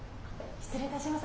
失礼いたします。